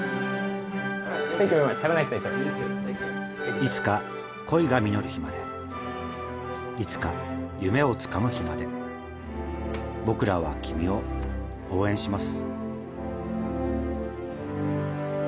いつか恋が実る日までいつか夢をつかむ日まで僕らは君を応援します。